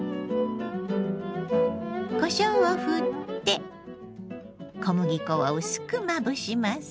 こしょうをふって小麦粉を薄くまぶします。